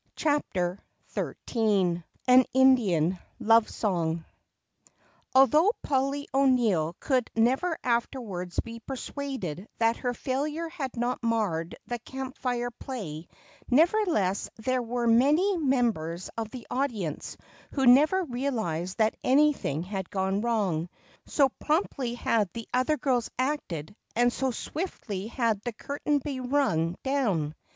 CHAPTER XIII An Indian Love Song Although Polly O'Neill could never afterwards be persuaded that her failure had not marred the Camp Fire play, nevertheless there were many members of the audience who never realized that anything had gone wrong, so promptly had the other girls acted and so swiftly had the curtain been rung down.